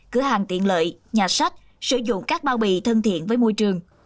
cửa hàng tiện lợi nhà sách sử dụng các bao bì thân thiện với môi trường